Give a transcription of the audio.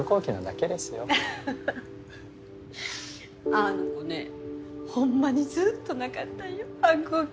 あの子ねほんまにずっとなかったんよ反抗期。